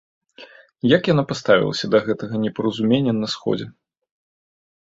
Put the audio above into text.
Як яна паставілася да гэтага непаразумення на сходзе?